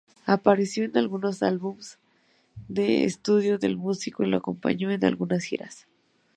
Apareció en algunos álbumes de estudio del músico y lo acompañó en algunas giras.